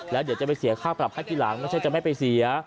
แล้วเดี๋ยวจะไปเสียค่าปรับให้ทีหลังไม่ใช่จะไม่ไปเสีย